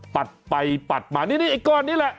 ปัดไปปัดมานี่ไอ้ก้อนนี้แหละ